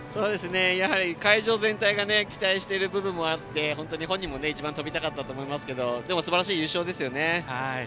やはり会場全体が期待している部分もあって本当に本人も一番跳びたかったと思いますけどすばらしい優勝ですよね。